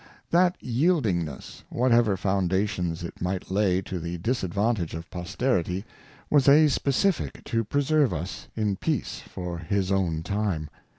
That Yieldingness, whatever Foundations it might lay to the Disadvantage of Posterity, was a Specifick to preserve us in Peace for his own Time.